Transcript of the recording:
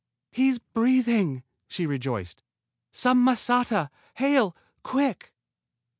"He's breathing!" she rejoiced. "Some masata, Hale, quick!"